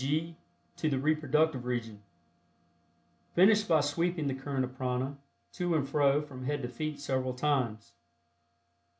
(g) To the reproductive region. Finish by sweeping the current of prana, to and fro from head to feet several times.